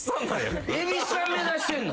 蛭子さん目指してんの？